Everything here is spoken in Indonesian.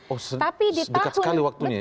oh dekat sekali waktunya ya